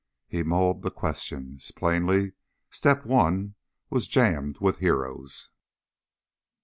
He mulled the questions. Plainly, Step One was jammed with heroes.